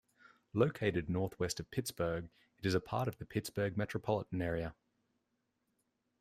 Located northwest of Pittsburgh, it is part of the Pittsburgh metropolitan area.